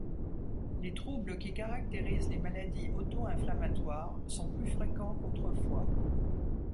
Les troubles qui caractérisent les maladies auto-inflammatoire sont plus fréquents qu'autrefois.